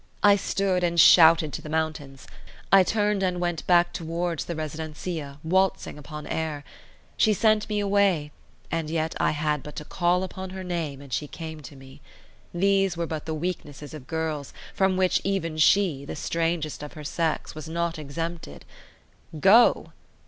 I stood and shouted to the mountains; I turned and went back towards the residencia, waltzing upon air. She sent me away, and yet I had but to call upon her name and she came to me. These were but the weaknesses of girls, from which even she, the strangest of her sex, was not exempted. Go?